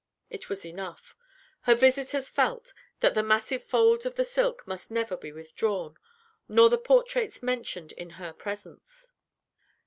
It was enough. Her visitors felt that the massive folds of the silk must never be withdrawn, nor the portraits mentioned in her presence.